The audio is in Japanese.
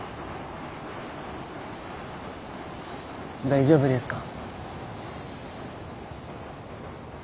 大丈夫ですか？